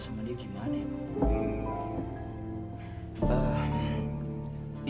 sama dia gimana ya bu